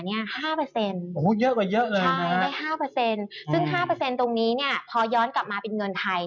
โอ้โหเยอะกว่าเยอะเลยได้๕ซึ่ง๕ตรงนี้พอย้อนกลับมาเป็นเงินไทย